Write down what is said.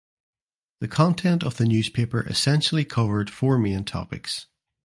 The content of the newspaper essentially covered four main topics.